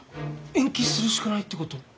延期するしかないってこと？